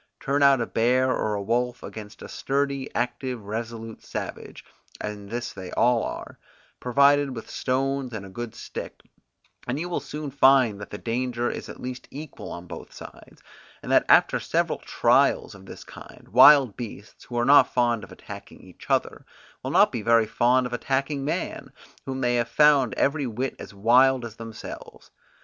Turn out a bear or a wolf against a sturdy, active, resolute savage, (and this they all are,) provided with stones and a good stick; and you will soon find that the danger is at least equal on both sides, and that after several trials of this kind, wild beasts, who are not fond of attacking each other, will not be very fond of attacking man, whom they have found every whit as wild as themselves.